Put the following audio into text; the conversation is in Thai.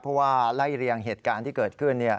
เพราะว่าไล่เรียงเหตุการณ์ที่เกิดขึ้น